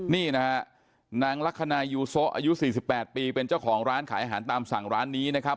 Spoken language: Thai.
นี่นะฮะนางลักษณะยูโซะอายุ๔๘ปีเป็นเจ้าของร้านขายอาหารตามสั่งร้านนี้นะครับ